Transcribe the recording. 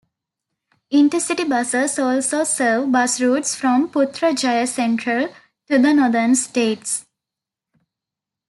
Intercity buses also serve bus routes from Putrajaya Sentral to the northern states.